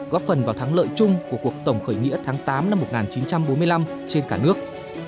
góp phần vào thắng lợi chung của cuộc tổng khởi nghĩa tháng tám năm một nghìn chín trăm bốn mươi năm trên cả nước